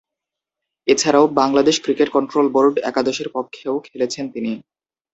এছাড়াও, Bangladesh cricket control board একাদশের পক্ষেও খেলেছেন তিনি।